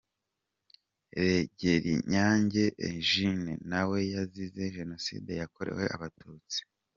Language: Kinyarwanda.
Rugerinyange Eugene nawe yazize Jenoside yakorewe Abatutsi.